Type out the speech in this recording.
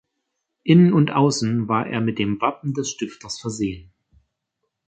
Innen und aussen war er mit dem Wappen des Stifters versehen.